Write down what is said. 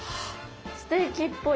ステーキっぽい。